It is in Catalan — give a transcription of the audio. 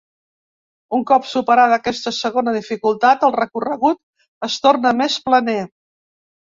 Un cop superada aquesta segona dificultat el recorregut es torna més planer.